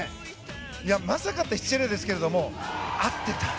まさかと言っちゃ失礼ですけど合ってた。